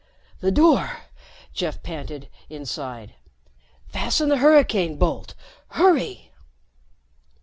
"The door," Jeff panted, inside. "Fasten the hurricane bolt. Hurry."